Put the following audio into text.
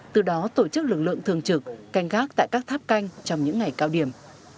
từ đó tổ chức lực lượng thường trực canh gác tại các tháp canh trong những ngày cao điểm